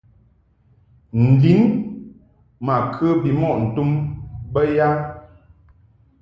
N-lin ma kə bimɔʼ ntum bə ya ?